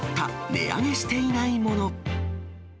値上げしていないもの。